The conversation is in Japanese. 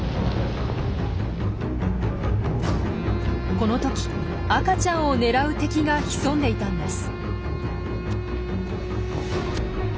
この時赤ちゃんを狙う敵が潜んでいたんです。